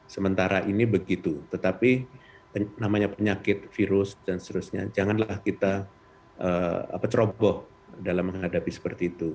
sementara ini begitu tetapi namanya penyakit virus dan seterusnya janganlah kita ceroboh dalam menghadapi seperti itu